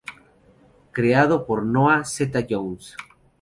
Creado por Noah Z. Jones.